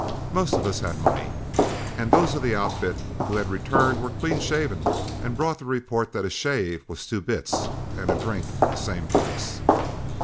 Most of us had money; and those of the outfit who had returned were clean shaven and brought the report that a shave was two bits and a drink the same price.